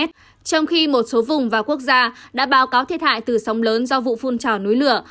trong khi một số vùng và quốc gia đã báo cáo thiệt hại từ sóng lớn do vụ phun trào núi lửa